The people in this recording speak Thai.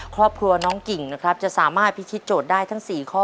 ครอบครัวน้องกิ่งนะครับจะสามารถพิธีโจทย์ได้ทั้ง๔ข้อ